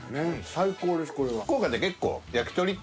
最高ですこれは。